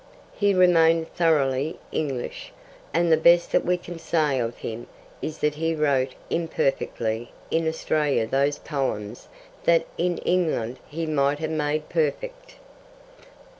He remained thoroughly English, and the best that we can say of him is that he wrote imperfectly in Australia those poems that in England he might have made perfect.